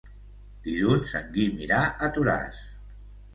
Dilluns en Guim irà a Toràs.